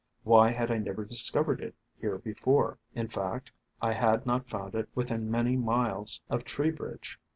Why had I never discovered it here before? In fact, I had not found it within many miles of Tree bridge.